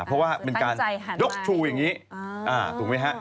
เพราะว่าเป็นการดกชู่อย่างนี้